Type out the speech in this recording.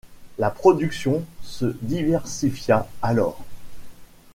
La production se diversifia alors.